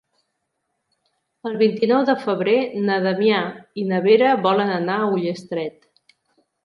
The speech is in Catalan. El vint-i-nou de febrer na Damià i na Vera volen anar a Ullastret.